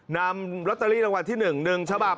นำลอตเตอรี่รางวัลที่๑๑ฉบับ